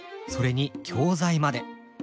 それに教材まで。